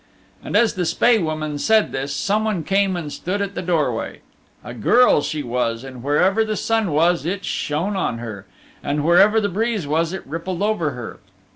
And as the Spae Woman said this someone came and stood at the doorway. A girl she was and wherever the sun was it shone on her, and wherever the breeze was it rippled over her.